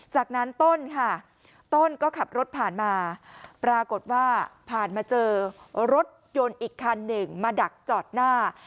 จากนั้นต้นค่ะต้นก็ขับรถผ่านมาปรากฏว่าผ่านมาเจอรถยนต์อีกคันหนึ่งมาดักจอดหน้า